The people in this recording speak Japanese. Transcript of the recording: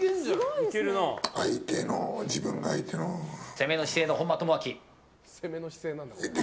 攻めの姿勢の本間朋晃。